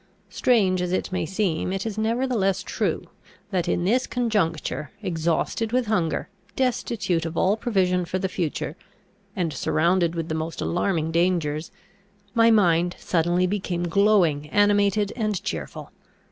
Strange as it may seem, it is nevertheless true, that, in this conjuncture, exhausted with hunger, destitute of all provision for the future, and surrounded with the most alarming dangers, my mind suddenly became glowing, animated, and cheerful.